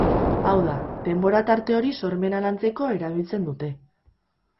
Hau da, denbora tarte hori sormena lantzeko erabiltzen dute.